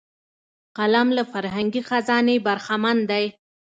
قلم له فرهنګي خزانې برخمن دی